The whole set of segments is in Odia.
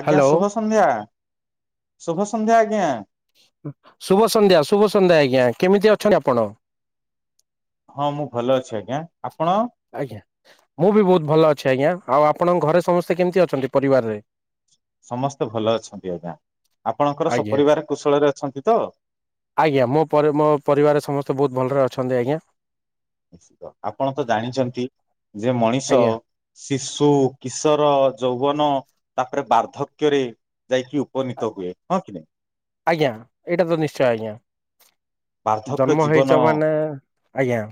ଆଜ୍ଞା ହ୍ୟାଲୋ ଶୁଭ ସନ୍ଧ୍ୟା, ଶୁଭ ସନ୍ଧ୍ୟା ଆଜ୍ଞା। ଶୁଭ ସନ୍ଧ୍ୟା, ଶୁଭ ସନ୍ଧ୍ୟା ଆଜ୍ଞା କେମିତି ଅଛନ୍ତି ଆପଣ? ହଁ, ମୁଁ ଭଲ ଅଛି ଆଜ୍ଞା ଆପଣ? ଆଜ୍ଞା ମୁଁ ବି ବହୁତ ଭଲ ଅଛି ଆଜ୍ଞା ଆଉ ଆପଣଙ୍କ ଘରେ ସମସ୍ତେ କେମିତି ଅଛନ୍ତି ପରିବାରରେ? ସମସ୍ତେ ଭଲ ଅଛନ୍ତି ଆଜ୍ଞା ଆପଣଙ୍କର ଆଜ୍ଞା ସପରିବାର କୁଶଳରେ ଅଛନ୍ତି ତ? ଆଜ୍ଞା ମୋ ପରେ ମୋ ପରିବାର ସମସ୍ତେ ବହୁତ ଭଲରେ ଅଛନ୍ତି ଆଜ୍ଞା। ନିଶ୍ଚିତ ଆପଣ ତ ଜାଣିଛନ୍ତି ଯେ ମଣିଷ ଆଜ୍ଞା। ଶିଶୁ, କିଶୋର, ଯୌବନ ତାପରେ ବାର୍ଦ୍ଧକ୍ୟରେ ଯାଇକି ଉପନୀତ ହୁଏ ହଁ କି ନାଇଁ। ଆଜ୍ଞା ଏଇଟା ତ ନିଶ୍ଚୟ ଆଜ୍ଞା ବାର୍ଦ୍ଧକ୍ୟ ଜନ୍ମ ଜୀବନ ହେଇଛ ମାନେ ଆଜ୍ଞା।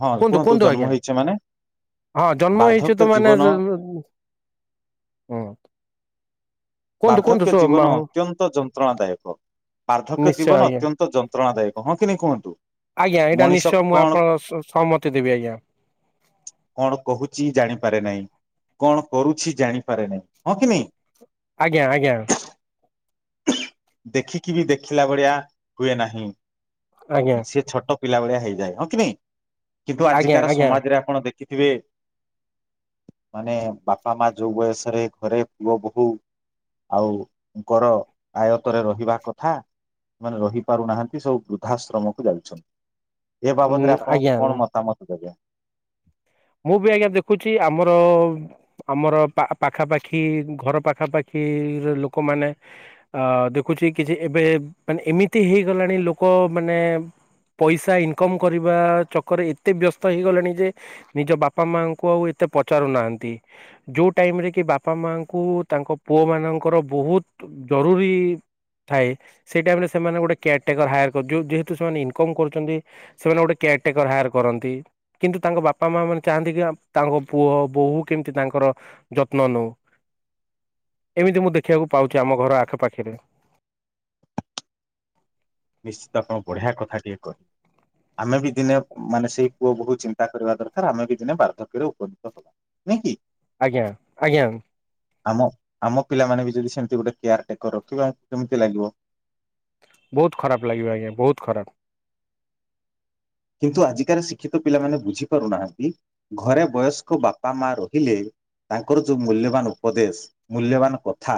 ହଁ କୁହନ୍ତୁ କୁହନ୍ତୁ ଜନ୍ମ ଆଜ୍ଞା ହେଇଛେ ମାନେ ହଁ ଜନ୍ମ ହେଇଛେ ବାର୍ଦ୍ଧକ୍ୟ ତ ମାନେ ଜୀବନ ମୁଁ ହଁ। ବାର୍ଦ୍ଧକ୍ୟ ଜୀବନ ଅତ୍ୟନ୍ତ ଯନ୍ତ୍ରଣା ଦାୟକ। ବାର୍ଦ୍ଧକ୍ୟ ନିଶ୍ଚୟ ଜୀବନ ଆଜ୍ଞା ଅତ୍ୟନ୍ତ ଯନ୍ତ୍ରଣା ଦାୟକ ହଁ କି ନାହିଁ କୁହନ୍ତୁ। ଆଜ୍ଞା ଏଇଟା ମଣିଷ ନିଶ୍ଚୟ ମୁଁ କଣ ଆପଣଙ୍କ ସହମତି ଦେବି ଆଜ୍ଞା। [inaudible] କଣ କହୁଛି ଜାଣିପାରେ ନାହିଁ, କଣ କରୁଛି ଜାଣିପାରେ ନାହିଁ, ହଁ କି ନାହିଁ। ଆଜ୍ଞା, ଆଜ୍ଞା। ଦେଖିକି ବି ଦେଖିଲା ଭଳିଆ ହୁଏ ନାହିଁ ଆଜ୍ଞା ସିଏ ଛୋଟ ପିଲା ଭଳିଆ ହେଇଯାଏ ହଁ କି ନାହିଁ କିନ୍ତୁ ଆଜ୍ଞା ଆଜିକାର ଆଜ୍ଞା ସମାଜରେ ଆପଣ ଦେଖିଥିବେ ମାନେ ବାପା ମା ଯୋଉ ବୟସରେ ଘରେ ପୁଅ ବୋହୁ ଆଉଙ୍କର ଆୟତରେ ରହିବା କଥା ମାନେ ରହି ପାରୁନାହାନ୍ତି ସବୁ ବୃଦ୍ଧାଶ୍ରମକୁ ଯାଉଛନ୍ତି। ଏ ବାବଦରେ ଉଁ ଆପଣଙ୍କୁ କଣ ଆଜ୍ଞା ମତାମତ ଦେବେ। ମୁଁ ବି ଆଜ୍ଞା ଦେଖୁଛି ଆମର ଆମର ପା ପାଖା ପାାଖି ଘର ପାଖାପାଖି ଲୋକମାନେ ଅ ଦେଖୁଛି କିଛି ଏବେ ମାନେ ଏମିତି ହେଇଗଲାଣି ଲୋକ ମାନେ ପଇସା ଇନକମ୍ କରିବା ଚକରେ ଏତେ ବ୍ୟସ୍ତ ହେଇଗଲେଣି ଯେ ନିଜ ବାପା ମାଆଙ୍କୁ ଆଉ ଏତେ ପଚାରୁ ନାହାନ୍ତି। ଯେଉଁ ଟାଇମ୍ ରେ କି ବାପା ମାଙ୍କୁ ତାଙ୍କ ପୁଅମାନଙ୍କର ବହୁତ ଜରୁରୀ ଥାଏ ସେଇ ଟାଇମ ରେ ସେମାନେ ଗୋଟେ କେୟାର ଟେକର ହାୟାର କର ଯେହେତୁ ସେମାନେ ଇନକମ କରୁଚନ୍ତି ସେମାନେ ଗୋଟେ କେୟାର ଟେକର ହାୟାର କରନ୍ତି କିନ୍ତୁ ତାଙ୍କ ବା ବାପା ମା ମାନେ ଚାହାନ୍ତି କି ତାଙ୍କ ପୁଅ ବୋହୂ କେମିତି ତାଙ୍କର ଯତ୍ନ ନଉ। ଏମିତି ମୁଁ ଦେଖିବାକୁ ପାଉଚି ଆମ ଘର ଆଖପାଖରେ ନିଶ୍ଚିତ ଆପଣ ବଢିଆ କଥା ଟିକେ କହିଲେ ଆମେ ବି ଦିନେ ମାନେ ସେଇ ପୁଅ ବୋହୁ ଚିନ୍ତା କରିବା ଦରକାର ଆମେ ବି ଦିନେ ବାର୍ଦ୍ଧକ୍ୟରେ ଉପନୀତ ହବା ନାଇଁ କି ଆଜ୍ଞା ଆଜ୍ଞା। ଆମ ଆମ ପିଲାମାନେ ବି ଯଦି ସେମତି ଗୋଟେ କେୟାର ଟେକର ରଖିବେ ଆମକୁ କେମିତି ଲାଗିବ? ବହୁତ ଖରାପ ଲାଗିବ ଆଜ୍ଞା ବହୁତ ଖରାପ। କିନ୍ତୁ ଆଜିକାଲି ଶିକ୍ଷିତ ପିଲାମାନେ ବୁଝିପାରୁନାହାନ୍ତି ଘରେ ବୟସ୍କ ବାପା ମା ରହିଲେ ତାଙ୍କର ଯୋଉ ମୂଲ୍ୟବାନ ଉପଦେଶ ମୂଲ୍ୟବାନ କଥା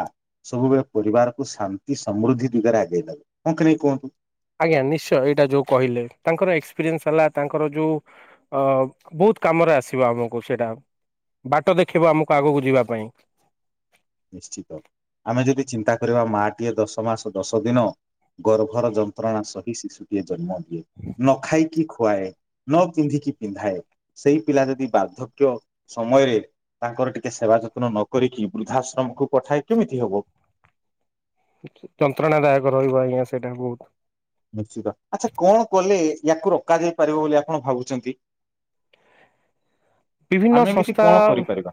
ସବୁବେଳେ ପରିବାରକୁ ଶାନ୍ତି ସମୃଦ୍ଧି ଦିଗରେ ଆଗେଇ ନବ ହଁ କି ନାହିଁ କୁହନ୍ତୁ? ଆଜ୍ଞା ନିଶ୍ଚୟ ଏଇଟା ଯୋଉ କହିଲେ ତାଙ୍କର ଏକ୍ସପିରିଏନ୍ସ ହେଲା ତାଙ୍କର ଯୋଉ ଅ ବହୁତ କାମରେ ଆସିବ ଆମକୁ ସେଇଟା ବାଟ ଦେଖେଇବ ଆମକୁ ଆଗକୁ ଯିବା ପାଇଁ। ନିଶ୍ଚିତ ଆମେ ଯଦି ଚିନ୍ତା କରିବା ମାଟିଏ ଦଶ ମାସ ଦଶ ଦିନ ଗର୍ଭର ଯନ୍ତ୍ରଣା ସହି ଶିଶୁଟିଏ ଜନ୍ମ ଦିଏ ନ ଖାଇ କି ଖୁଆଏ ନବ ପିନ୍ଧି କି ପିନ୍ଧାଏ ସେଇ ପିଲା ଯଦି ବାର୍ଦ୍ଧକ୍ୟ ସମୟରେ ତାଙ୍କର ଟିକେ ସେବା ଯତ୍ନ ନ କରିକି ବୃଦ୍ଧାଶ୍ର ତମକୁ ପଠାଏ କେମିତି ହବ। ଯନ୍ତ୍ରଣା ଦାୟକ ରହିବ ଆଜ୍ଞା ସେଟା ବହୁତ। ନିଶ୍ଚିତ ଆଚ୍ଛା କଣ କଲେ ୟାକୁ ରୋକାଯାଇ ପାରିବ ବୋଲି ଆପଣ ଭାବୁଚନ୍ତି? [inaudible] ବିଭିନ୍ନ ଆମେ ଏମିତି ସଂସ୍ଥା କଣ କରିପାରିବା?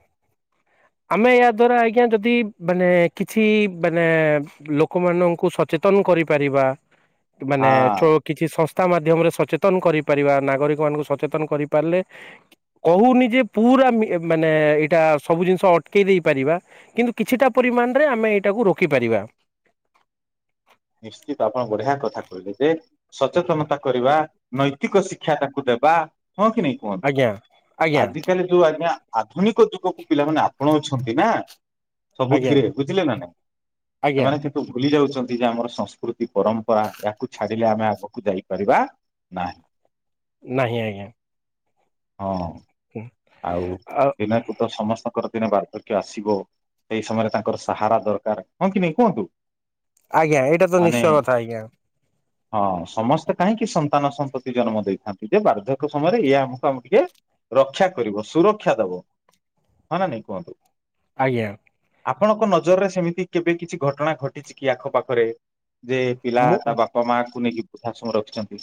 ଆମେ ୟା ଦ୍ଵାରା ଆଜ୍ଞା ଯଦି ମାନେ କିଛି ମାନେ ଲୋକମାନଙ୍କୁ ସଚେତନ କରିପାରିବା ମାନେ ହଁ ଛୋ କିଛି ସଂସ୍ଥା ମାଧ୍ୟମରେ ସଚେତନ କରିପାରିବା ନାଗରିକମାନଙ୍କୁ ସଚେତନ କରିପାରିଲେ କହୁନି ଯେ ପୁରା ମାନେ ଏଇଟା ସବୁ ଜିନିଷ ଅଟକେଇ ଦେଇପାରିବା କିନ୍ତୁ କିଛିଟା ପରିମାଣରେ ଆମେ ଏଇଟାକୁ ରୋକିପାରିବା। ନିଶ୍ଚିତ ଆପଣ ବଢିଆ କଥା କହିଲେ ଯେ ସଚେତନତା କରିବା ନୈତିକ ଶିକ୍ଷା ତାଙ୍କୁ ଦେବା ହଁ କି ନାଇଁ ଆଜ୍ଞା ଆଜ୍ଞା। ଆଜି କାଲି ଯୋଉ ଆଜ୍ଞା ଆଧୁନିକ ଯୁଗ କୁ ପିଲାମାନେ ଆପଣଉଛନ୍ତି ନା ଆଜ୍ଞା ସବୁଥିରେ ବୁଝିଲେ ନା ଆଜ୍ଞା ସେମାନେ କିନ୍ତୁ ଭୁଲି ଯାଉଛନ୍ତି ଯେ ଆମର ସଂସ୍କୃତି ପରମ୍ପରା ୟାକୁ ଛାଡିଲେ ଆମେ ଆଗକୁ ଯାଇପାରିବା ନାହିଁ। ନାହିଁ ଆଜ୍ଞା। ହଁ। ହୁଁ। ଆଉ ପିଲାଙ୍କୁ ତ ସମସ୍ତଙ୍କର ଦିନେ ବାର୍ଦ୍ଧକ୍ୟ ଆସିବ ସେଇ ସମୟରେ ତାଙ୍କର ସାହାରା ଦରକାର ହଁ କି ନାଇଁ କୁହନ୍ତୁ। ଆଜ୍ଞା ଏଇଟା ତ ମାନେ ନିଶ୍ଚୟ କଥା ଆଜ୍ଞା। ହଁ ସମସ୍ତେ କାହିଁକି ସନ୍ତାନ ସନ୍ତତି ଜନ୍ମ ଦେଇଥାନ୍ତି ଯେ ବାର୍ଦ୍ଧକ୍ୟ ସମୟରେ ଇୟେ ଆମକୁ ଆମ ଟିକେ ରକ୍ଷା କରିବ ସୁରକ୍ଷା ଦବ ହ ନ ନାଇଁ କୁହନ୍ତୁ। ଆଜ୍ଞା। ଆପଣଙ୍କ ନଜରରେ ସେମିତି କେବେ କିଛି ଘଟଣା ଘଟିଚି କି ଆଖ ପାଖରେ ଯେ ପିଲା ମୁଁ ତା ବାପା ମାଆଙ୍କୁ ନେଇକି ବୃଝା ସମୟ ରଖିଛନ୍ତି।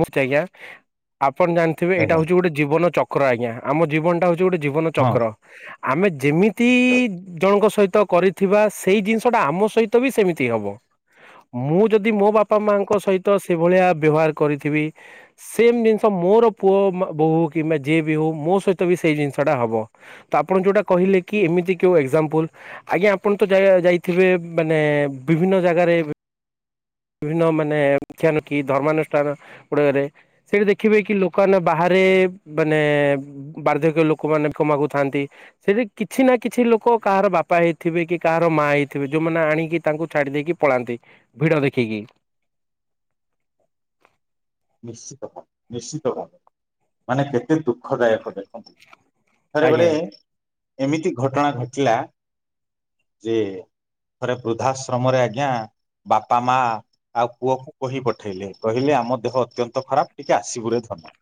ମୁ ଆଜ୍ଞା ଆପଣ ଜାଣିଥିବେ ଏଇଟା ଆଜ୍ଞା ହଉଛି ଗୋଟେ ଜୀବନ ଚକ୍ର ଆଜ୍ଞା, ଆମ ଜୀବନଟା ହଉ ଯେ ଗୋଟେ ଜୀବନ ହଁ ଚକ୍ର, ଆମେ ଯେମିତି ଜଣଙ୍କ ସହିତ କରିଥିବା ସେଇ ଜିନିଷ ଟା ଆମ ସହିତ ବି ସେମିତି ହବ। ମୁଁ ଯଦି ମୋ ବାପା ମାଙ୍କ ସହିତ ସେଭଳିଆ ବ୍ୟବହାର କରିଥିବି। ସେମ୍ ଜିନିଷ ମୋର ପୁଅ ମୋ ବୋହୁ କିମ୍ବା ଯିଏ ବି ହଉ ମୋ ସହିତ ବି ସେଇ ଜିନିଷ ଟା ହବ। ତ ଆପଣ ଯେଉଁଟା କହିଲେ କି ଏମିତି କେଉଁ ଏକ୍ଜାମ୍ପଲ୍ ଆଜ୍ଞା ଆପଣ ତ ଯା ଯାଇଥିବେ ମାନେ ବିଭିନ୍ନ ଜାଗାରେ ବିଭିନ୍ନ ମାନେ [unintelligible] ଧର୍ମାନୁଷ୍ଠାନ ଗୁଡିକରେ ସେଇଠି ଦେଖିବେ କି ଲୋକମାନେ ବାହାରେ, ମାନେ ବାର୍ଦ୍ଧକ୍ୟ ଲୋକମାନେ ଫ ମାଗୁଥାନ୍ତି। ସେଠି କିଛି ନା କିଛି ଲୋକ କାହାର ବାପା ହେଇଥିବେ କି କାହାର ମା ହେଇଥିବେ ଯୋଉମାନେ ଆଣିକି ତାଙ୍କୁ ଛାଡି ଦେଇେଇକି ପଳାନ୍ତି ଭିଡି ଦେଖିକି ନିଶ୍ଚିତ ଭାବ ନିଶ୍ଚିତ ଭାବ, ମାନେ କେତେ ଦୁଃଖଦାୟକ ଦେଖନ୍ତୁ। ଆଜ୍ଞା ଥରକରେ ଏମିତି ଘଟଣା ଘଟିଲା, ଯେ ଥରେ ବୃଦ୍ଧାଶ୍ରମରେ ଆଜ୍ଞା। ବାପା ମା ଆଉ ପୁଅକୁ କହି ପଠେଇଲେ, କହିଲେ ଆମ ଦେହ ତ୍ୟନ୍ତ ଖରାପ, ଟିକେ ଆସିବୁରେ ଧନ୍ୟବାଦ।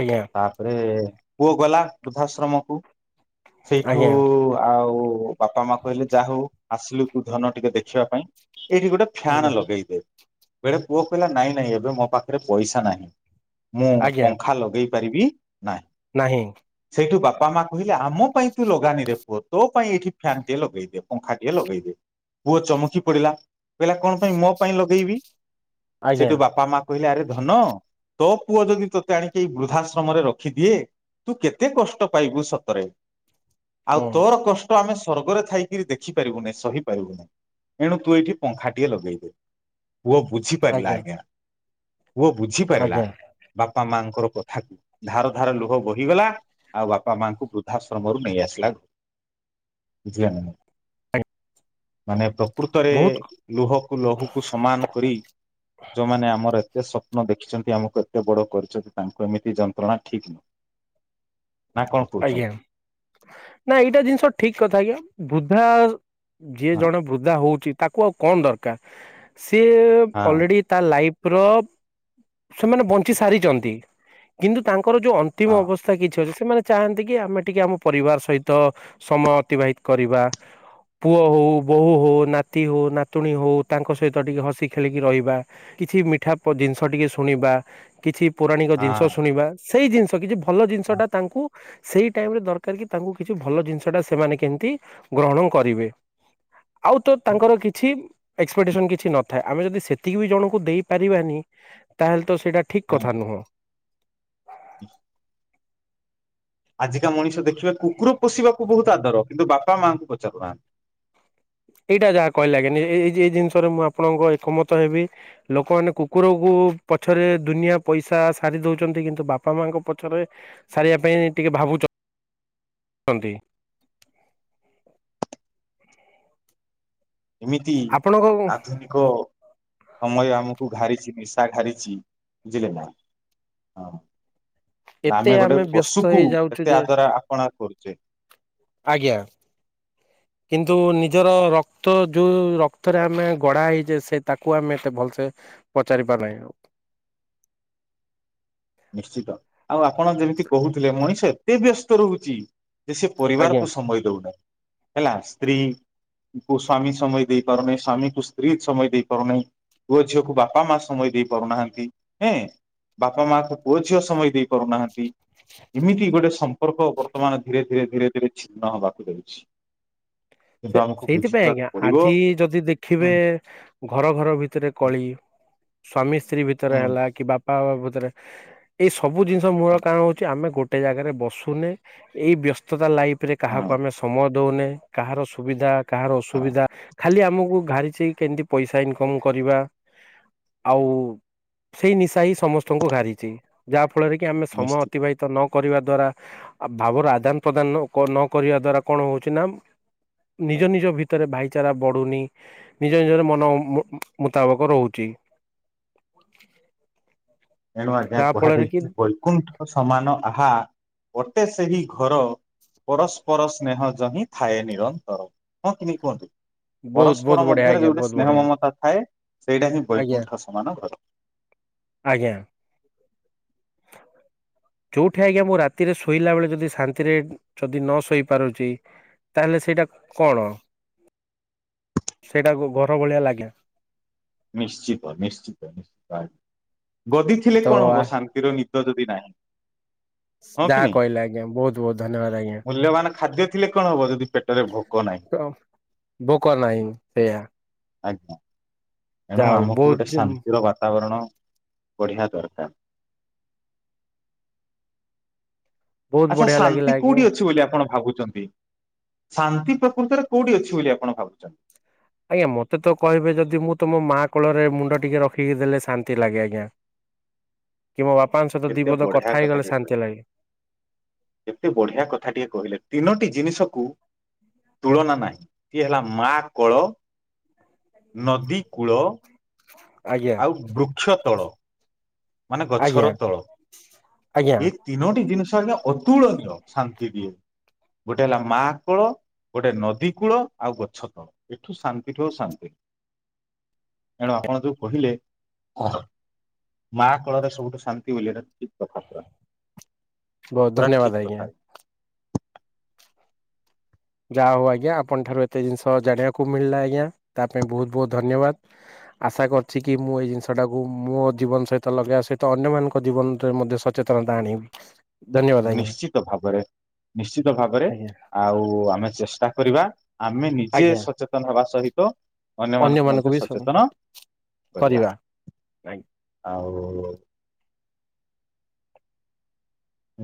ଆଜ୍ଞା। ତାପରେ ପୁଅ ଗଲା ବୃଦ୍ଧାଶ୍ରମକୁ। ସେଇଠୁ ଆଜ୍ଞା ଆଉ ବାପା ମା କହିଲେ ଯାହା ହଉ। ଆସିଲୁ ତୁ ଧନ ଟିକେ ଦେଖିବା ପାଇଁ, ଏଇଠି ଗୋଟେ ଫ୍ୟାନ ଆଜ୍ଞା ଲଗେଇଦେ। ବେଳେ ପୁଅ କହିଲା ନାଇଁ ନାଇଁ ଏବେ ମୋ ପାଖରେ ପଇସା ନାହିଁ, ମୁଁ ଆଜ୍ଞା ପଙ୍ଖା ଲଗେଇ ପାରିବି ନାହିଁ। ନାହିଁ। ସେଇଠୁ ବାପା ମା କହିଲେ ଆମ ପାଇଁ ତୁ ଲଗାନିରେ ପୁଅ ତୋ ପାଇଁ ଏଇଠି ଫ୍ୟାନ୍ ଟିଏ ଲଗେଇଦେ। ପଙ୍ଖା ଟିଏ ଲଗେଇଦେ, ପୁଅ ଚମକି ପଡିଲା କହିଲା କଣ ପାଇଁ ମୋ ପାଇଁ ଲଗେଇବି? ଆଜ୍ଞା ସେଠୁ ବାପା ମା କହିଲେ ଆରେ ଧନ ତୋ ପୁଅ ଯଦି ତୋତେ ଆଣିକି ଏଇ ବୃଦ୍ଧାଶ୍ରମରେ ରଖିଦିଏ ତୁ କେତେ କଷ୍ଟ ପାଇବୁ ସତରେ, ହୁଁ ଆଉ ତୋର କଷ୍ ତ ଆମେ ସ୍ଵର୍ଗରେ ଥାଇକିରି ଦେଖିପାରିବୁନି ସହିପାରିବୁନି। ଏଣୁ ତୁ ଏଇଠି ପଙ୍ଖା ଟିଏ ଲଗେଇଦେ, ପୁଅ ବୁଝିପାରିଲା ଆଜ୍ଞା। ପୁଅ ବୁଝିପାରିଲା ଆଜ୍ଞା ବାପା ମାଙ୍କର କଥାକୁ। ଧାର ଧାର ଲୁହ ବୋହିଗଲା ଆଉ ବାପା ମାଙ୍କୁ ବୃଦ୍ଧାଶ୍ରମରୁ ନେଇ ଆସିଲା [unintelligible] ମାନେ ପ୍ରକୃତରେ ବହୁତ ଲୁହକୁ ଲହୁକୁ ସମାନ କରି ଯୋଉମାନେଆ ଆମର ଏତେ ସ୍ୱପ୍ନ ଦେଖିଛନ୍ତି ଆମକୁ ଏତେ ବଡ କରିଛନ୍ତି ତାଙ୍କୁ ଏମିତି ଯନ୍ତ୍ରଣା ଠିକ୍ ନୁ ଆଜ୍ଞା, ନା ଏଇଟା ଜିନିଷ ଠିକ କଥା କି ବୁଦ୍ଧା ଯିଏ ହଁ ଜଣେ ବୃଦ୍ଧା ହଉଛି ତାକୁ ଆଉ କଣ ଦରକାର, ସିଏ ହଁ ଅଲରେଡି ତା ଲାଇଫ ର ସେମାନେ ବଞ୍ଚି ସାରିଛନ୍ତି କିନ୍ତୁ ତାଙ୍କର ଯୋଉ ଅନ୍ ନ୍ତିମ ହଁ ଅବସ୍ଥା କିଛି ଅଛି। ସେମାନେ ଚାହାନ୍ତି କି ଆମେ ଟିକେ ଆମ ପରିବାର ସହିତ ସମୟ ଅତିବାହିତ କରିବା। ପୁଅ ହଉ, ବୋହୂ ହଉ, ନାତି ହଉ, ନାତୁଣୀ ହଉ ତାଙ୍କ ସହିତ ଟିକେ ହସି ଖେଳିକି ରହିବା। କିଛି ମିଠା ପ ଜିନିଷ ଟିକେ ଶୁଣିବା। କିଛି ପୌରାଣିକ ଜିନିଷ ଶୁଣିବା, ସେଇ ଜିନିଷ କିଛି ଭଲ ଜିନିଷଟା କୁ ସେଇ ଟାଇମ୍ ଦରକାର କି ତାଙ୍କୁ କିଛି ଭଲ ଜିନିଷ ଟା ସେମାନେ କେମିତି ଗ୍ରହଣ କରିବେ ଆଉ ତ ହଁ। ତାଙ୍କର କିଛି କିଛି ଏକ୍ସପେକ୍ଟେସନ କିଛି ନଥାଏ ଆମେ ଯଦି ସେତିକି ବି ଜଣଙ୍କୁ ଦେଇପାରିବାନି ତାହେଲେ ତ ସେଇଟା ଠିକ୍ କଥା ନୁହଁ। ଉହୁଁ ଆଜିକା ମଣିଷ ଦେଖିବେ କୁକୁର ପୋଷିବାକୁ ବହୁତ ଆଦର କିନ୍ତୁ ବାପା ମାଆଙ୍କୁ ପଚାରୁନାହାନ୍ତି। ଏଇଟା ଯାହା କହିଲେ ଆଜ୍ଞା ଏ ଏ ଏ ଏଇ ଜିନିଷରେ ମୁଁ ଆପଣଙ୍କ ଏକମତ ହେବି। ଲୋକମାନେ କୁକୁରକୁ ପଛରେ ଦୁନିଆ ପଇସା ସାରି ଦେଉଛନ୍ତି କିନ୍ତୁ ବାପା ମାଆଙ୍କ ପଛରେ ସାରିବା ପାଇଁ ଟିକେ ଭାବୁଛନ୍ତି। ଏମିତି ଆପଣଙ୍କ ଆଧୁନିକ ସମୟ ଆମକୁ ଘାରିଛି ନିଶା ଘାରିଛି ବୁଝିଲେ ନା। ହଁ। ଏତେ ଆମେ ଗୋଟେ ବ୍ୟସ୍ତ ପଶୁକୁ ହେଇଯାଉଛୁ ଏତେ ଯେ ଆଦରା ଆପଣା କରୁଛେ। ଆଜ୍ଞା। କିନ୍ତୁ ନିଜର ରକ୍ତ ଯୋଉ ରକ୍ତରେ ଆମେ ଗଡ଼ା ହେଇଛେ ସେ ତାକୁ ଆମେ ଏତେ ଭଲସେ ପଚାରି ପାର ନାହିଁ ଆଉ। ନିଶ୍ଚିତ। ଆଉ ଆପଣ ଯେମିତି କହୁଥିଲେ ମଣିଷ ଏତେ ବ୍ୟସ୍ତ ରହୁଛି ଯେ ସେ ଆଜ୍ଞା ପରିବାରକୁ ସମୟ ଦଉନାହିଁ। ହେଲା ସ୍ତ୍ରୀ କୁ ସ୍ଵାମୀ ସମୟ ଦେଇପାରୁନାହିଁ, ସ୍ଵାମୀକୁ ସ୍ତ୍ରୀ ସମୟ ଦେଇପାରୁନାହିଁ। ପୁଅ ଝିଅକୁ ବାପା ମା ସମୟ ଦେଇ ପାରୁନାହାନ୍ତି। ହେଁ ବାପା ମାକୁ ପୁଅ ଝିଅ ସମୟ ଦେଇ ପାରୁନାହାନ୍ତି ଏମିତି ଗୋଟେ ସମ୍ପ ସମ୍ପର୍କ ବର୍ତ୍ତମାନ ଧୀରେ ଧୀରେ ଧୀରେ ଧୀରେ ଛିନ୍ନ ହେବାକୁ ଯାଉଛି। କିନ୍ତୁ ସେ ଆମକୁ ସେଇଥିପାଇଁ ବୁଝିବାକୁ ଆଜ୍ଞା ପଡିବ ଆଜି ଯଦି ହୁଁ ଦେଖିବେ ଘର ଘର ଭିତରେ କଳି। ସ୍ଵାମୀ ସ୍ତ୍ରୀ ଭିତରେ ହୁଁ ହେଲା କି ବାପା ମା ଭିତରେ ଏଇ ସବୁ ଜିନିଷ ମୂଳ କାରଣ ହେଉଛି ଆମେ ଗୋଟେ ଜାଗାରେ ବସୁନେ ଏଇ ବ୍ୟସ୍ତତା ଲାଇଫ୍ ପରେ ହଁ କାହାକୁ ଆମେ ସମୟ ଦଉନେ କାହାର ସୁବିଧା କାହାର ହଁ ଅସୁବିଧା ଖାଲି ଆମକୁ ଘାରିଛି କେମିତି ପଇସା ଇନକମ୍ କରିବା। ଆଉ ସେଇ ନିଶା ହିଁ ସମସ୍ତଙ୍କୁ ଘାରିଛି ଯାହା ଫଳରେ କି ଆମେ ସମୟ ନିଶ୍ଚିତ ଅତିବାହିତ ତ ନ କରିବା ଦ୍ଵାରା ଭାବର ଆଦାନ ପ୍ରଦାନ ନ କରିବା ଦ୍ଵାରା କଣ ହେଉଛି ନା ନିଜ ନିଜ ଭିତରେ ଭାଇଚାରା ବଢ଼ୁନି, ନିଜ ନିଜର ମନ ମୁତାବକ ରହୁଛି। ଟେଣୁ ଆଜ୍ଞା ଯାହା ଫଳରେ କି କୁହାଯାଇଛି ବୈକୁଣ୍ଠ ସମାନ ଆହା ଗୋଟେ ସେହି ଘର ପରସ୍ପର ସ୍ନେହ ଜ ହିଁ ଥାଏ ନିରନ୍ତର ହଁ କି ନାହିଁ କୁହନ୍ତୁ? ବହୁତ ବହୁତ ପରସ୍ପର ବଢିଆ ମଧ୍ୟରେ ଆଜ୍ଞା ଯୋଉଠି ବହୁତ ସ୍ନେହ ବଢିଆ ମମତା ଥାଏ ସେଇଟା ହିଁ ଆଜ୍ଞା ବୈକୁଣ୍ଠ ସମାନ ଘର। ଆଜ୍ଞା। ହ ଯୋଉଠି ଆଜ୍ଞା ମୁଁ ରାତିରେ ଶୋଇଲା ବେଳେ ଯଦି ଶାନ୍ତିରେ ଯଦି ନ ଶୋଇ ପାରୁଛି ତାହେଲେ ସେଇଟା କଣ? ସେଇଟାକୁ ଘର ଭଳିଆ ଲାଗେ। ନିଶ୍ଚିତ ନିଶ୍ଚିତ, ଗଦି ଥିଲେ ତ କଣ ହବ ଶା ନିଦ ଯଦି ନାହିଁ ହଁ କି ଯାହା ନାଇଁ କହିଲେ ଆଜ୍ଞା ବୋହୁତ୍ ବୋହୁତ୍ ଧନ୍ୟବାଦ ଆଜ୍ଞା। ମୂଲ୍ୟବାନ ଖାଦ୍ୟ ଥିଲେ କଣ ହବ ଯଦି ପେ ତ ଭୋକ ନାହିଁ ସେୟଆ। ଆଜ୍ଞା। ଏଣୁ ଆମକୁ ଗୋଟେ ବହୁତ ଶାନ୍ତିର ବାତାବରଣ ବଢିଆ ଦରକାର। ବହୁତ ଆଚ୍ଛା ବଢିଆ ଲାଗିଲା ଶାନ୍ତି ଆଜ୍ଞା। କୋଉଠି ଅଛି ବୋଲି ଆପଣ ଭାବୁଚନ୍ତି? ଶାନ୍ତି ପ୍ରକୃତରେ କୋଉଠି ଅଛି ବୋଲି ଆପଣ ଭାବୁଚ ନ୍ତି? ଆଜ୍ଞା ମତେ ତ କହିବେ ଯଦି ମୁଁ ତମ ମାଆ କୋଳରେ ମୁଣ୍ଡ ଟିକେ ରଖିକି ଦେଲେ ଶାନ୍ତି ଲାଗେ ଆଜ୍ଞା। କି ମୋ ବାପାଙ୍କ ସହିତ ଦି କେତେ ପଦ ବଢିଆ କଥା ହେଇଗଲେ ଶାନ୍ତି ଲାଗେ। ଏତେ ବଢିଆ କଥା ଟିଏ କହିଲେ ତିନୋଟି ଜିନିଷକୁ ତୁଳନା ନାଇଁ ଇଏ ହେଲା ମା କୋଳ ନଦୀ କୂଳ ଆଜ୍ଞା। ଆଉ ବୃକ୍ଷ ତଳ ମାନେ ଆଜ୍ଞା ଗଛର ତଳ ଆଜ୍ଞା ଇ ତିନୋଟି ଜିନିଷ ହେଲେ ଅତୁଳନୀୟ ଶାନ୍ତି ଦିଏ। ଗୋଟେ ହେଲା ମା କୋଳୋ ଗୋଟେ ନଦୀ କୂଳ ଆଉ ଗଛ ତଳ। ଏଠୁ ଶାନ୍ତିଠୁ ଆଉ ଶାନ୍ତି ଏଣୁ ଆପଣ ଯୋଉ କହିଲେ ମା କୋଳରେ ସବୁଠୁ ଶାନ୍ତି ବୋଲିଏଟା ଠିକ୍ କଥାପୁରା। ବୋହୁତ ଧନ୍ୟବାଦ ଆଜ୍ଞା। ଯାହା ହୋଉ ଆଜ୍ଞା ଆପଣ ଠାରୁ ଏତେ ଜିନିଷ ଜାଣିବାକୁ ମିଳିଲା ଆଜ୍ଞା ତା ପାଇଁ ବୋହୁତ ବୋହୁତ ଧନ୍ୟବାଦ। ଆଶା କରିଛି କି ମୁଁ ଏଇ ଜିନିଷଟାକୁ ମୋ ଜୀବନ ସହିତ ଲଗାଇବା ସହିତ ଅନ୍ୟମାନଙ୍କ ଜୀବନରେ ମଧ୍ୟ ସ [unintelligible] ନିଶ୍ଚିତ ଭାବରେ ନିଶ୍ଚିତ ଭାବରେ ଆଜ୍ଞା ଆଉ ଆମେ ଚେଷ୍ଟା କରିବା ଆମେନି ନିଜେ ଆଜ୍ଞା ସଚେତନ ହେବା ସହିତ ଅନ୍ୟମାନଙ୍କୁ ମଧ୍ୟ ସଚେତନ କରିବା [unintelligible] ଆଉ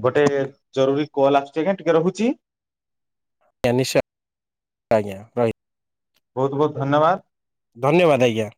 ଗୋଟେ ଜରୁରୀ କଲ୍ ଆସୁଚି ଆଜ୍ଞା ଟିକେ ରୋହୁଚି। ଆଜ୍ଞା ନିଶ୍ଚୟ ଆଜ୍ଞା ରହିଲି। ବୋହୁତ ବୋହୁତ ଧନ୍ୟବାଦ। ଧନ୍ୟବାଦ ଆଜ୍ଞା।